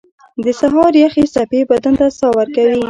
• د سهار یخې څپې بدن ته ساه ورکوي.